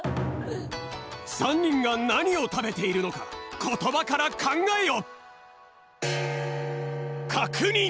３にんがなにをたべているのかことばからかんがえよ！